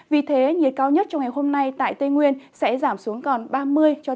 vì thế nhiệt cao nhất trong ngày hôm nay tại tây nguyên sẽ giảm xuống còn ba mươi ba độ